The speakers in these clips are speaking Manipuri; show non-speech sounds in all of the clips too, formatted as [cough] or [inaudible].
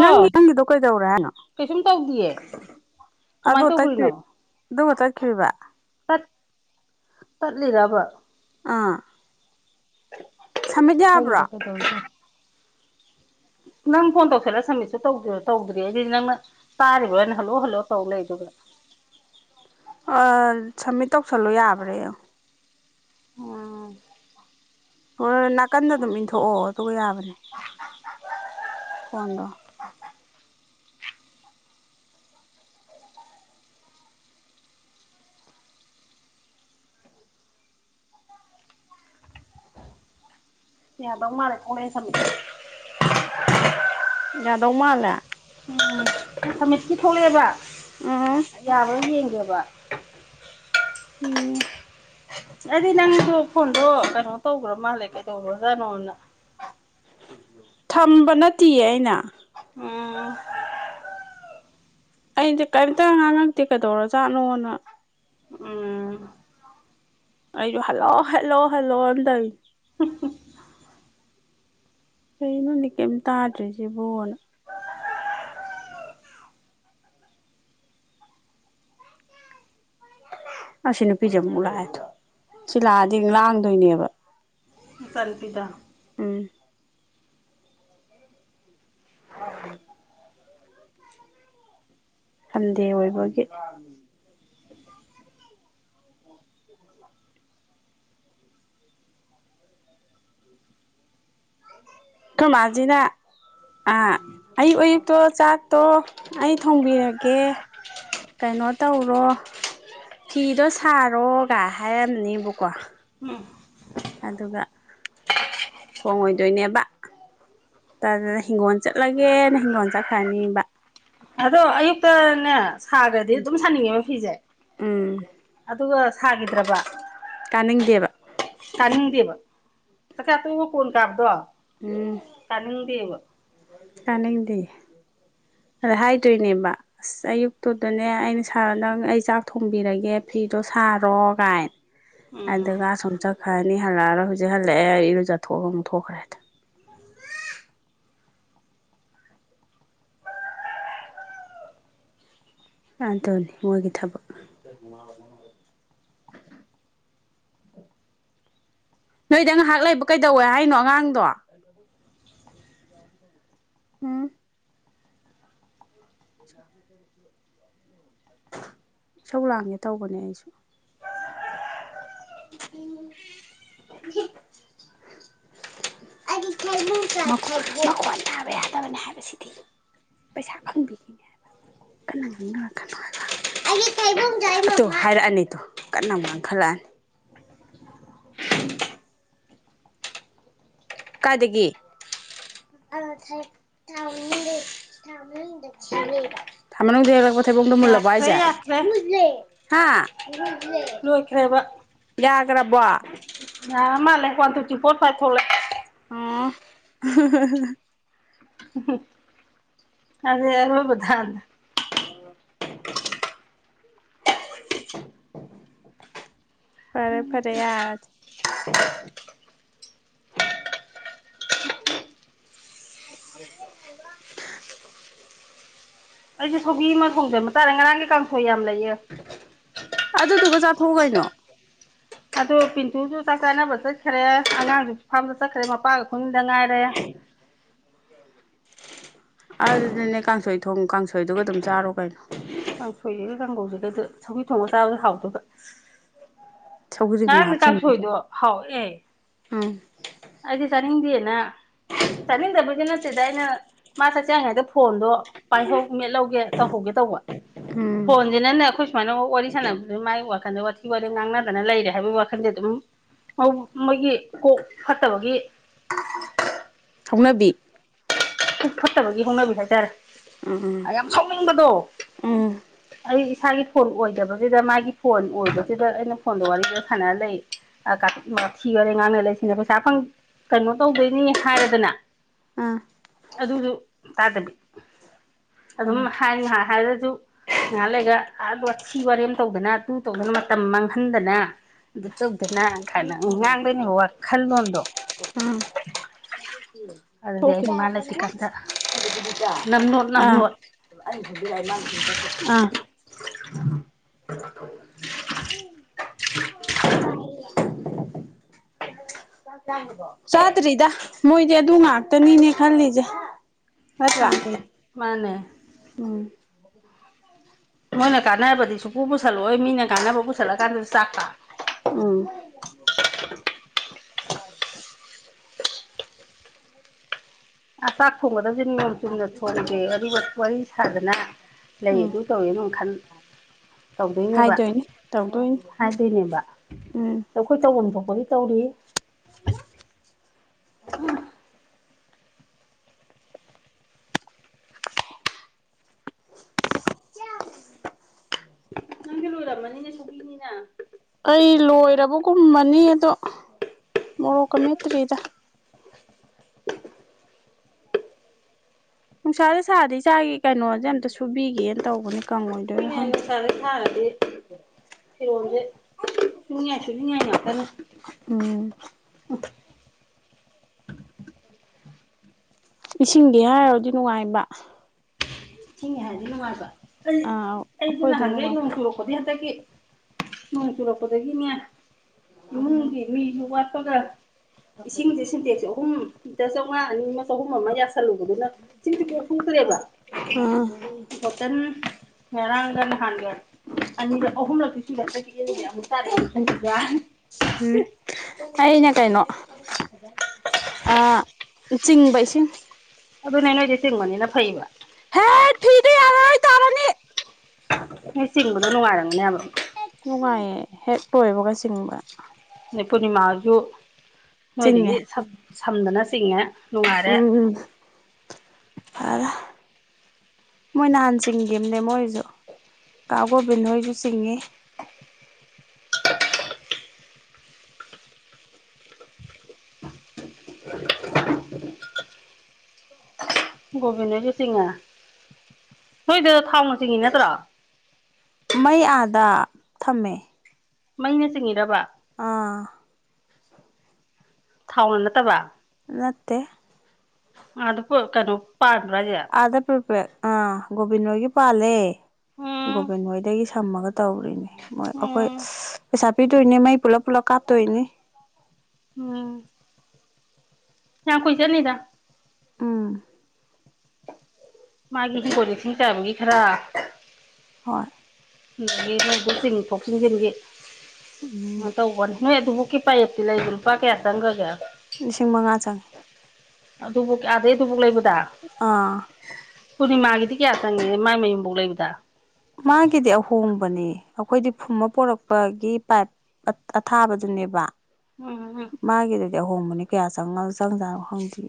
ꯅꯪꯒꯤ ꯅꯪꯒꯤꯗꯨ ꯀꯩꯗꯧꯔꯦ ꯍꯥꯏꯅꯣ ꯀꯩꯁꯨꯝ ꯇꯧꯗꯤꯌꯦ ꯑꯗꯣ ꯀꯃꯥꯏꯅ ꯇꯠ ꯇꯧꯈ꯭ꯔꯤꯅꯣ ꯑꯗꯨꯒ ꯇꯠ ꯀꯩꯕꯥ ꯠ ꯇꯠꯂꯤꯔꯥꯕ ꯑꯥ ꯁꯃꯤꯠ ꯈꯪꯗꯦ ꯌꯥꯕ꯭ꯔꯣ ꯀꯩꯗꯧꯔꯤꯅꯣ ꯅꯪ ꯐꯣꯟ ꯇꯧꯁꯜꯂ ꯁꯃꯤꯠꯇꯨ ꯇꯧꯗ꯭ꯔꯤ ꯑꯩꯗꯤꯗꯤ ꯅꯪꯅ ꯇꯥꯔꯤꯕ꯭ꯔꯣꯅ ꯍꯜꯂꯛꯑꯣ ꯍꯜꯂꯛꯑꯣ ꯇꯧ ꯂꯩ ꯑꯗꯨꯒ ꯑ ꯁꯝꯃꯤꯠ ꯇꯧꯁꯜꯂꯣ ꯌꯥꯕ꯭ꯔꯥ ꯌꯦꯡꯉꫭ ꯑꯥ ꯍꯣꯏ ꯅꯥꯀꯟꯗ ꯑꯗꯨꯝ ꯏꯟꯊꯣꯛꯑꯣ ꯑꯗꯨꯒ ꯌꯥꯕꯅꯦ ꯐꯣꯟꯗꯣ ꯌꯥꯗꯧꯡ ꯃꯥꯜꯂꯦ ꯊꫭꯛꯂꯛꯑꯦ ꯁꯃꯤꯠ ꯌꯥꯗꯧ ꯃꯥꯂꯦ ꯎꯝ ꯁꯃꯤꯠꯀꯤ ꯊꯣꯛꯂꯛꯑꯦꯕ ꯎꯝ ꯌꯥꯕꯔꫭ ꯌꯦꯡꯒꯦꯕ ꯌꯦ ꯑꯗꯤ ꯅꯪꯁꯨ ꯐꫭꯟꯗꫭ ꯀꯅꫭ ꯇꯧꯒ꯭ꯔ ꯃꯥꯜꯂꯦ ꯀꯩꯗꯧꯒ꯭ꯔꯖꯥꯅꯣꯅ ꯊꯝꯕ ꯅꯠꯇꯤꯌꯦ ꯑꯩꯅ ꯎꯝ ꯑꯩꯁꯦ ꯀꯩꯝꯇ ꯉꯥꯡ ꯉꯛꯇꯦ ꯀꯩꯗꯧꯔꯣꯖꯥꯠꯅꯣꯅ ꯎꯝ ꯑꯩꯁꯨ ꯍꯜꯂꯣꯑꯣ ꯍꯜꯂꯣ ꯍꯜꯂꯣ ꯅ ꯗꯧꯏꯅꯤ ꯀꯩꯅꯣꯅꯦ ꯀꯩꯝ ꯇꯥꯗ꯭ꯔꯤꯁꯤꯕꯣꯅ ꯑꯁꯤ ꯅꯨꯄꯤꯁꯦ ꯑꯃꯨꯛ ꯂꯥꯛꯑꯦꯗꯨ ꯁꯤ ꯂꯥꯛꯑꯗꯤ ꯑꯃꯨꯛ ꯂꯥꯡꯗꯣꯏꯅꯦꯕ ꯅꯆꯥ ꯅꯨꯄꯤꯗꫭ ꯎꯝ [inaudible] ꯁꯟꯗꯦ ꯑꯣꯏꯕꯒꯤ ꯑꯈꫭꯏ ꯃꯥꯖꯤꯅ ꯑꯥ ꯑꯌꯨꯛ ꯑꯌꯨꯛꯇꯣ ꯆꯥꯛꯇꯣ ꯑꯩ ꯊꯣꯡꯕꯤꯔꯒꯦ ꯀꯩꯅꯣ ꯇꯧꯔꯣ ꯐꯤꯗꯣ ꯁꯥꯔꯣ ꯒ ꯍꯥꯏꯔꯝꯅꯦꯕꯀꯣ ꯎꯝ ꯑꯗꯨꯒ ꯊꯣꯡꯉꯣꯏꯗꯣꯏꯅꯦꯕꯅ ꯇꯔ ꯍꯤꯡꯒꯣꯜ ꯆꯠꯂꯒꯦꯅ ꯍꯤꯡꯒꯣꯜ ꯆꯠꯈ꯭ꯔꯅꯤꯕ ꯑꯗꯣ ꯑꯌꯨꯛꯇꯅꯦ ꯁꯥꯒ꯭ꯔꯗꯤ ꯑꯗꯨꯝ ꯁꯥꯅꯤꯡꯉꯦꯕ ꯐꯤꯁꯦ ꯎꯝ ꯑꯗꯨꯒ ꯁꯥꯒꯤꯗ꯭ꯔꯕ ꯀꯥꯅꯤꯡꯗꯦꯕ ꯀꯥꯅꯤꯡꯗꯦꯕ ꯆꯥꯛ ꯆꯥ ꯇꯣꯛꯑꯒ ꯀꯣꯟ ꯀꯥꯕꯗꯣ ꯀꯅꯤꯗꯦꯕ ꯀꯥꯅꯤꯡꯗꯤꯌꯦ ꯑꯗ ꯍꯥꯏꯗꯣꯏꯅꯦꯕ ꯑꯁ ꯑꯌꯨꯛꯇꯨꯗꯅꯦ ꯑꯩꯅ ꯁꯥꯔ ꯅꯪ ꯑꯩ ꯆꯥꯛ ꯊꯣꯡꯕꯤꯔꯒꯦ ꯐꯤꯗꯣ ꯁꯥꯔꯣ ꯀꯥꯏ ꯎꯝ ꯑꯗꯨꯒ ꯑꯁꫭꯝ ꯆꯠꯈ꯭ꯔꯅꯤ ꯍꯜꯂꯛ ꯑꯔꫭꯏ ꯍꯧꯖꯤꯛ ꯍꯜꯂꯛꯑꯦ ꯏꯔꯨꯖ ꯊꯣꯛꯑꯒ ꯑꯃꯨꯛ ꯊꯣꯛꯈ꯭ꯔꯦꯗꯨ ꯑꯗꯨꯅꯤ ꯃꫭꯏꯒꯤ ꯊꯕꯛ ꯅꯣꯏꯗ ꯉꯥꯏꯍꯥꯛ ꯂꯩꯕ ꯀꯩꯗꯧꯋꯦ ꯍꯥꯏꯅꯣ ꯑꯉꯥꯡꯗꯣ ꯍꯨꯝ [inaudible] ꯁꯧ ꯂꯥꯡꯒꯦ ꯇꯧꯕꯅꯦ ꯑꯩꯁꯨ ꯃꯈꫭꯟ ꯇꯥꯕ ꯌꯥꯗꯕꯅꯦ ꯍꯥꯏꯕꯁꯤꯗꯤ ꯄꯩꯁꯥ ꯐꯪꯕꯤꯒꯤꯅꯦ ꯍꯥꯏꯕ ꯀꯥꯟꯅ ꯉꯥꯡꯅꯔꯛ ꯀꯅꫭ ꯍꯥꯏꯕ ꯇꯨ ꯍꯥꯏꯔꯛꯑꯅꯤꯗꯣ ꯀꯟꯅ ꯑꯃꯨꯛ ꯉꯥꯡꯈꯠ ꯂꯛꯑꯅꯤ [inaudible] ꯀꯥꯏꯗꯒꯤ ꯊꯥ ꯃꯅꯨꯡꯗ ꯊꯩꯕꫭꯡꯗꯣ ꯃꯨꯜꯂꯕꫭ ꯌꯥꯈ꯭ꯔꯦ ꯌꯥꯈ꯭ꯔꯦ ꯍꯥꯏꯁꯦ ꯍꯥꯥ ꯂꯣꯏꯈ꯭ꯔꯦꯕ ꯂꯣꯏꯈ꯭ꯔꯕꯣ ꯌꯥꯔ ꯃꯥꯜꯂꯦ ꯋꯥꯟ ꯇꯨ ꯇ꯭ꯋꯤ ꯐꯣꯔ ꯐꯥꯏꯠ ꯊꯣꯛꯂꯛ ꯑꯦ ꯑ [inaudible] [inaudible] ꯐꯔꯦ ꯐꯔꯦ ꯌꯥꯔꯗꯤ [inaudible] ꯑꯩꯁꯦ ꯁꯧꯒ꯭ꯔꯤ ꯑꯃ ꯊꯣꯡꯖꯟꯕ ꯇꯥꯔꯦ ꯉꯔꯥꯡꯒꯤ ꯀꯥꯡꯁꯣꯏ ꯌꯥꯝ ꯂꯩꯌꯦ ꯑꯗꯨꯗꯨꯒ ꯆꯥꯊꯣꯛꯎ ꯀꯩꯅꯣ ꯑꯗꯨ ꯄꯤꯟꯇꯨꯁꯨ ꯆꯥꯛ ꯆꯥꯅꯕ ꯆꯠꯈ꯭ꯔꯦ ꯑꯉꯥꯡꯁꯨ ꯐꯥꯝꯗ ꯆꯠꯈ꯭ꯔꯦ ꯃꯄꯥꯒ ꯑꯍꯨꯝ ꯈꯛꯇ ꯉꯥꯏꯔꯦ ꯑꯗꯨꯗꯤꯅꯦ ꯀꯥꯡꯁꯣꯏ ꯊꯣꯡ ꯀꯥꯡꯁꯣꯏꯗꯨꯒ ꯑꯗꯨꯝ ꯆꯥꯔꯣ ꯀꯩꯅꯣ ꯀꯥꯡ ꯁꯣꯏꯁꯤꯒꯦ ꯀꯥꯡꯒꯧꯁꯤꯒꯗ ꯁꯧꯀꯤ ꯊꯣꯡꯉꯒ ꯆꯥꯕꯗ ꯍꯥꯎꯗꯣꯏꯕ ꯁꯧꯒ꯭ꯔꯤ ꯃꯨꯛ ꯉꯔꯥꯡꯅꯤ ꯍꯥꯞꯆꯤꯟꯕꯤꯒ ꯀꯥꯡꯁꯣꯏꯗꯣ ꯍꯥꯎꯦ ꯎꯝ ꯑꯩꯗꯤ ꯆꯥꯅꯤꯡꯗꯦꯅ ꯆꯥꯅꯤꯡꯗꯕꯗꯤ ꯅꯠꯇꯦꯗ ꯑꯩꯅ ꯃꯥ ꯆꯥꯛ ꯆꯏꯀꯟꯗ ꯐꯣꯟꯗꯣ ꯄꯥꯏꯍꯧ ꯃꯦꯠꯍꯧꯒꯦ ꯇꯧꯍꯧꯒꯦ ꯇꯧꯕ ꯎꯝ ꯐꯣꯟꯖꯤꯅꯅꯦ ꯑꯩꯈꯣꯏ ꯁꯨꯃꯥꯏꯅ ꯋꯥꯔꯤ ꯁꯥꯟꯅꯕꯗꯨ ꯃꯥꯏ ꯋꯥꯈꯟꯗ ꯋꯥꯊꯤ ꯋꯥꯔꯦꯝ ꯉꯥꯡꯅꯗꯅ ꯂꯩꯔꯦ ꯍꯥꯏꯕꯒꯤ ꯋꯥꯈꯜꯗ ꯑꯗꯨꯝ ꯃꯣꯏꯒꯤ ꯀꯣꯛ ꯐꯠꯇꯕꯒꯤ ꯍꯧꯅꯕꯤ ꯄꯨꯛ ꯐꯠꯇꯕꯒꯤ ꯍꯧꯅꯕꯤ ꯍꯥꯏꯇꯥꯔꯦ ꯎꯝ ꯌꯥꯝ ꯁꯥꯎꯅꯤꯡꯕꯗꯣ ꯎꯝ ꯎꯝ ꯑꯩ ꯏꯁꯥꯒꯤ ꯐꯣꯟ ꯑꯣꯏꯗꯕꯁꯤꯗ ꯃꯥꯒꯤ ꯐꯣꯟ ꯑꯣꯏꯕꯁꯤꯗ ꯑꯩꯅ ꯐꯣꯟꯗ ꯋꯥꯔꯤ ꯁꯥꯟꯅꯔ ꯂꯩ ꯋꯥꯊꯤ ꯋꯥꯔꯦꯝ ꯉꯥꯡꯅ ꯂꯩ ꯁꯤꯅꯤꯗꯅ ꯄꯩꯁꯥꯪ ꯐꯪ ꯀꯩꯅꯣ ꯇꯧꯗꯣꯏꯅꯤ ꯍꯥꯏꯔꯦꯗꯅ ꯑꯥ ꯑꯗꯨꯁꯨ ꯇꯥꯗꯕꯤ ꯑꯗꯨꯝ ꯎꯝ ꯍꯥꯏ ꯉꯥꯏꯍꯥꯛ ꯍꯥꯏꯔꯁꯨ ꯉꯥꯏꯍꯥꯛ ꯂꯩꯒ ꯋꯥꯊꯤ ꯋꯥꯔꯦꯝ ꯇꯧꯗꯅ ꯇꯧꯗꯨꯅ ꯃꯇꯝ ꯍꯟꯗꯅ ꯑꯗꯨ ꯇꯧꯗꯅ ꯀꯥꯏꯅ ꯉꯥꯡꯗꯣꯏꯅꯦ ꯋꯥꯈꯜꯂꯣꯟꯗꯣ ꯎꯝ ꯑꯗꯨꯗꯤ ꯊꯣꯛꯈꯤ ꯑꯩꯅ ꯃꯥ ꯂꯩ ꯑꯥ ꯅꯝꯂꯣꯠ ꯑꯥ [inaudible] [inaudible] ꯆꯥꯗ꯭ꯔꯤꯗ ꯃꯣꯏꯗꯤ ꯑꯗꯨ ꯉꯥꯛꯇꯅꯤꯅꯦ ꯈꯜꯂꯤꯁꯦ ꯅꯠꯇ꯭ꯔꯥ ꯎꯝ ꯃꯥꯅꯦ ꯑꯗꯨ ꯃꯣꯏꯅ ꯀꯥꯟꯅꯔꯕꯗꯤ ꯁꯨꯄꯨ ꯄꯨꯁꯜꯂꯛꯑꯣꯏ ꯃꯤꯅ ꯀꯥꯟꯅꯕ ꯄꯨꯁꯜꯂꯀꯥꯟꯗꯁꯨ ꯆꯥꯛꯄ ꯎꯝ [unintelligible] ꯆꯥꯛ ꯊꯣꯡꯒꯗꯕꯁ ꯅꯤꯌꯣꯝ ꯆꯨꯝꯅ ꯊꯣꯟꯒꯦ ꯑꯗꯨꯒ ꯋꯥꯔꯤ ꯁꯥꯗꯅ ꯂꯩ ꯎꯝ ꯑꯗꯨ ꯇꯧꯋꯦꯅ ꯈꯟ ꯇꯧꯗꯣꯏꯅꯦꯕ ꯍꯥꯏꯗꯣꯏꯅꯤ ꯇꯧꯗꯣꯏꯅꯤ ꯍꯥꯏꯗꯣꯏꯅꯦꯕ ꯎꯝ ꯑꯗꯣ ꯑꯩꯈꯣꯏ ꯇꯧꯐꯝ ꯊꯣꯛ ꯔꯤ ꯇꯧꯔꯤ ꯎ ꯅꯪꯒꯤ ꯂꯣꯏꯨꯔꯝꯃꯅꯤꯅꯦ ꯁꯣꯛꯅꯤꯅ ꯑꯩ ꯂꯣꯏꯔꯕꯒꯨꯝꯕꯅꯤ ꯑꯗꯣ ꯃꯣꯔꯣꯛꯀ ꯃꯠꯇ꯭ꯔꯤꯗ ꯅꯨꯡꯁꯥꯗ ꯁꯥꯔꯗꯤ ꯆꯥꯒꯤ ꯀꯩꯅꯣꯁꯦ ꯑꯝꯇ ꯁꯨꯕꯤꯒꯦꯅ ꯇꯧꯕꯅꯤ ꯃꯣꯏꯅꯦ ꯁꯥꯔꯦ ꯁꯥꯔꯗꯤ ꯐꯤꯔꯣꯜꯁꯦ ꯁꯨꯡꯌꯥ ꯁꯤꯃꯤ ꯌꯥꯇꯅ ꯑꯣꯝ ꯑꯣꯐ ꯏꯁꯤꯡꯗꯤ ꯍꯥꯏꯔꯨꯔꯗꯤ ꯅꯨꯡꯉꯥꯏꯕ ꯊꯤꯡꯉꯦ ꯍꯥꯏꯔꯗꯤ ꯅꯨꯡꯉꯥꯏꯕ ꯑꯩ ꯑꯥ ꯑꯩꯗꯤ ꯑꯩꯈꯣꯏꯗꯤ ꯅꯍꯪꯒꯦ ꯅꯨꯡꯉꯥꯏ ꯅꯣꯡꯁꯨ ꯂꯣꯗꯤ ꯍꯥꯏ ꯇꯒꯤ ꯅꯣꯡ ꯆꯨꯔꯛꯄꯗꯒꯤꯅꯦ ꯏꯃꯨꯡꯒꯤ ꯃꯤꯁꯨ ꯋꯥꯠꯄꯒ ꯏꯁꯤꯡꯁꯦ ꯁꯦꯟꯗꯦꯛꯁꯦ ꯑꯍꯨꯝ ꯆꯉ ꯃ ꯍꯨꯝꯃꯒꯤ ꯆꯜꯂꯨꯕꯗꯨꯅ ꯆꯤꯡꯁꯨ ꯀꯦ ꯐꯨꯗ꯭ꯔꯦꯕ ꯑꯥ ꯍꯣꯇꯦꯜ ꯉꯔꯥꯡꯒꯅ ꯍꯥꯟꯒꯦ ꯑꯅꯤꯔꯛ ꯑꯍꯨꯝꯂꯛꯇꯤ ꯁꯨꯅ ꯆꯈꯤꯑꯂꯗꯤ ꯑꯃꯨꯛ ꯇꯥꯔꯛꯑꯦ ꯑꯗꯨ ꯆꯠꯈꯤꯗ꯭ꯔ ꯎꯝ ꯑꯩꯅ ꯀꯩꯅꯣ ꯆꯤꯡꯕ ꯏꯁꯤꯡ ꯑꯗꯨꯅꯦ ꯅꯣꯏꯗꯤ ꯆꯤꯡꯕꯅꯤꯅ ꯐꯩꯕ ꯍꯦ ꯐꯤ ꯇꯔꯅꯤ ꯅꯣꯏ ꯆꯤꯡꯕꯗꯣ ꯅꯨꯡꯉꯥꯏꯔꯝꯒꯅꯦꯕ ꯅꯨꯡꯉꯥꯏꯌꯦ ꯍꯦꯛ ꯂꯣꯏꯕꯒ ꯆꯤꯡꯕ ꯑ ꯄꯨꯅꯤꯃꯁꯨ ꯃꯣꯏ ꯆꯤꯡꯉꯦ ꯂꯩꯗꯒꯤ ꯁ ꯁꯝꯗꯅ ꯆꯤꯡꯉꯦ ꯅꯨꯡꯉꯔꯦ ꯐꯔ ꯃꯣꯏ ꯅꯍꯥꯟ ꯆꯤꯡꯈꯤꯕ ꯑꯃꯅꯦ ꯃꯣꯏꯁꯨ ꯀꯥ ꯒꯣꯕꯤꯟ ꯍꯣꯏꯁꯨ ꯆꯤꯡꯉꯤ ꯒꯣꯕꯤꯟꯗꯁꯨ ꯆꯤꯡꯉ ꯅꯣꯏꯗ ꯊꯥꯎꯅ ꯆꯤꯡꯉꯤ ꯅꯠꯇ꯭ꯔꯥ ꯃꯩ ꯑꯥꯗ ꯊꯝꯃꯦ ꯃꯩꯅ ꯆꯤꯡꯉꯔꯕ ꯑꯥ ꯊꯥꯎꯅ ꯅꯠꯇꯕ ꯅꯠꯇ ꯗꯤ ꯄ ꯀꯅꯣ ꯑꯗ ꯄꯨꯄꯦ ꯑꯥ ꯒꯣꯕꯤꯟꯣꯣꯏꯒꯤ ꯄꯥꯜꯂꯦ ꯎꯝ ꯣꯕꯦꯟ ꯍꯗ ꯊꯝꯃꯒ ꯇꯧꯔꯤꯅꯦ ꯃꯣꯏ ꯑꯩꯈꯣꯏ ꯎꯝ ꯄꯩꯁꯥ ꯄꯤꯗꯣꯏꯅꯦ ꯃꯥꯏ ꯄꯨꯂꯞ ꯄꯨꯂꯞ ꯀꯥꯇꯣꯏꯅꯤ ꯎꯝ ꯌꯥ ꯈꯨꯣꯏ ꯆꯅꯤꯗ ꯎꯝ ꯃꯥꯒꯤꯁꯨ ꯀ ꯊ ꯀꯒꯤ ꯈꯔ ꯍꯣꯏ ꯆꯤꯡ ꯐꯧꯆꯤꯡꯖꯦꯟꯒꯦ ꯃ ꯎꯝ ꯇ ꯎ ꯋꯥꯅꯤ ꯅꯣꯏ ꯑꯗꯨꯐꯥꯎꯀꯤ ꯄꯥꯌꯦꯞꯇꯤ ꯂꯩꯗ ꯂꯨꯄꯥ ꯀꯌꯥ ꯆꯪꯈ꯭ꯔꯒꯦ ꯂꯤꯁꯤꯡ ꯃꯉꯥ ꯆꯪꯉꯦ ꯑꯗꯨꯗꯨꯕꯨꯣꯛꯛ ꯑꯗꯩ ꯗꯨꯕꯨꯛ ꯂꯩꯕ ꯑꯥ ꯄꯨꯔꯅꯤꯃꯥꯒꯤꯗꯤ ꯀꯌꯥ ꯆꯪꯉꯦ ꯃꯥꯏ ꯃꯌꯨꯝꯐꯧ ꯂꯩꯕꯗ ꯃꯥꯒꯗꯦ ꯊꯣꯡꯕꯅꯤ ꯑꯩꯈꯣꯏꯗꯤ ꯐꯨꯝꯕ ꯄꯣꯔꯛꯄꯒꯤ ꯄꯥꯏꯞ ꯑꯊꯥꯕꯗꯨꯅꯦꯕ ꯎꯝ ꯎꯝ ꯃꯥꯒꯤꯗꯗꯤ ꯑꯍꯣꯡꯕꯅꯦ ꯀꯌꯥ ꯆꯪ ꯆꯪꯖꯥꯅꯣ ꯈꯪꯗ꯭ꯔꯤ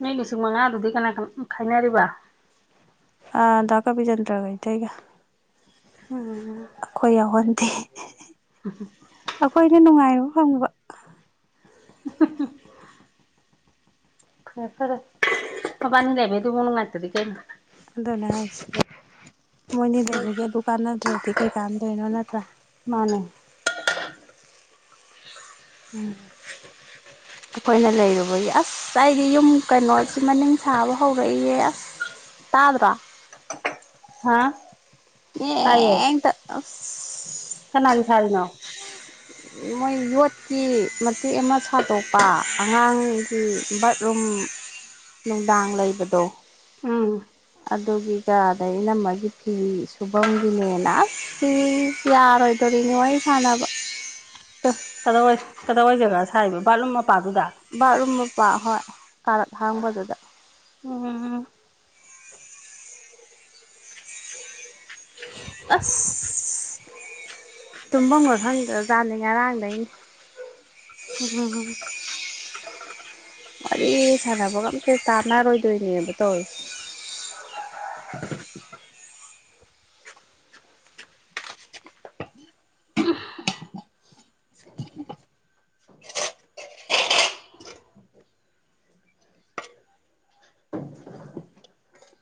ꯃꯤ ꯂꯤꯁꯤꯡ ꯃꯉꯥꯗꯨꯗꯤ ꯀꯅꯥ ꯈꯥꯏꯅꯔꯤꯕ ꯑ ꯗꯀꯥꯕꯤꯖꯦꯟꯟꯗ꯭ꯔꯒꯥꯏꯇ ꯑꯩꯒ ꯎꯝ ꯑꯩꯈꯣꯏ ꯌꯥꯎꯍꯟꯗꯦ ꯑꯩꯈꯣꯏꯅ ꯅꯨꯡꯉꯥꯏꯔꯣ ꯐꯪꯕ [unintelligible] ꯍ ꯐꯔ ꯄꯕꯥꯅꯤ ꯂꯩꯦꯃꯤ ꯇ ꯃꯅ ꯉꯥꯏꯇꯗꯤ ꯀꯩ ꯑꯗꯨꯅꯦ ꯍꯥꯏꯁꯦ ꯃꯣꯏꯅꯤ ꯂꯩꯕꯒꯤ ꯗꯨꯀꯥꯟ ꯅꯠꯇ꯭ꯔꯗꯤ ꯀꯩ ꯀꯥꯟꯗꯧꯅꯣ꯭ꯔ ꯃꯥꯅꯦ ꯎꯝ ꯑꯩꯈꯣꯏꯅ ꯂꯩꯔꯨꯕꯒꯤ ꯑꯁ ꯑꯩꯗꯤ ꯌꯨꯝ ꯀꯩꯅꯣꯁꯤ ꯃꯅꯤꯡ ꯁꯥꯕ ꯍꯧꯔꯛꯏꯌꯦꯦ ꯑꯁ ꯇꯥꯕ꯭ꯔꯣ ꯍꯥꯥ ꯌꯦꯇ ꯀꯅꯥꯒꯤ ꯁꯥꯔꯤꯅꯣ ꯃꯣꯏ ꯌꯣꯠꯀꯤ ꯃꯇꯦꯛ ꯑꯃ ꯁꯥꯗꯣꯛꯄ ꯑꯉꯥꯡꯒꯤ ꯕꯥꯠꯔꯨꯝ ꯅꯨꯡꯗꯥꯡ ꯂꯩꯕꯗꯣ ꯎꯝ ꯑꯗꯨꯒꯤ ꯀꯗ ꯏꯅꯝꯃꯒꯤ ꯐꯤ ꯁꯨꯐꯝꯝꯒꯤꯅꯦꯅ ꯑꯁ ꯐꯤ ꯌꯥꯔꯣꯏꯗꯣꯔꯤꯅꯦ ꯋꯥꯔꯤ ꯁꯥꯟꯅꯕ ꯀꯗ ꯑꯣꯏ ꯀꯗ ꯋꯥꯣꯏ ꯖꯒꯥ ꯊꯥꯏꯕ ꯕꯂꯨꯝꯑꯥꯞ ꯕꯥꯠꯔꯨꯝ ꯃꯄꯥ ꯍꯣꯏ ꯀꯥꯔꯛ ꯍꯥꯡꯕꯗꯨꯗ ꯎꯝ ꯑꯁ ꯇꯨꯝꯕꯝꯒ ꯈꯪꯗ꯭ꯔꯖꯅꯤ ꯉꯔꯥꯡꯗꯩꯩꯅꯤ ꯎꯝ ꯋꯥꯔꯤ ꯁꯥꯟꯅꯕꯒ ꯑꯝꯇ ꯇꯥꯟꯅꯔꯣꯏꯗꯣꯏꯅꯦꯕ ꯇꯧꯏꯁꯦ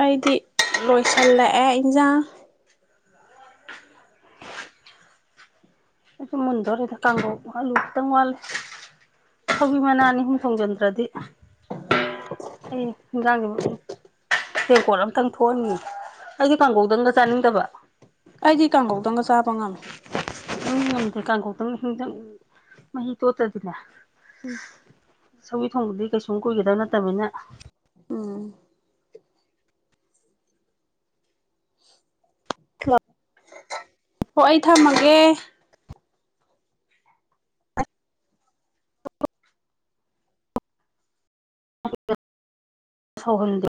ꯑꯩꯗꯤ ꯂꯣꯏꯁꯜꯂꯛꯑꯦ ꯏꯟꯖꯥꯡ ꯑꯩꯁꯨ ꯃꯨꯟꯗꯣꯔꯦꯗ ꯀꯥꯡꯈꯧ ꯑꯂꯨ ꯈꯤꯇꯪ ꯋꯥꯠꯂꯤ ꯁꯧꯒꯔ꯭ꯤ ꯃꯅꯥ ꯑꯅꯤ ꯍꯨꯝ ꯊꯣꯡꯖꯟꯗ꯭ꯔꯗꯤ ꯍꯟꯖꯥꯡꯖꯦ ꯇꯦꯡꯀꯣꯠ ꯑꯝꯇꯪ ꯊꯣꯛꯍꯟꯒꯤꯒꯦ ꯑꯩꯗꯤ ꯀꯥꯡꯒꯧꯗꯪꯒ ꯆꯥꯅꯤꯡꯗꯕ ꯑꯩꯗꯤ ꯀꯥꯡꯒꯧꯗꯪꯒ ꯆꯥꯕ ꯉꯝꯃꯦ ꯗꯤꯉꯝꯗꯦ ꯀꯥꯡꯒꯧꯇꯪ ꯏꯟꯖꯥꯟ ꯃꯍꯤ ꯇꯣꯠꯇꯗꯤꯅꯦ ꯁꯧꯒꯔ꯭ꯤ ꯊꯣꯡꯕꯗꯤ ꯀꯩꯁꯨꯝ ꯀꯨꯏꯒꯗꯕ ꯅꯠꯇꯕꯅꯤꯅ ꯎꯝ ꯍꯣ ꯑꯩ ꯊꯝꯃꯒꯦ ꯁꯧꯍꯟꯗꯦ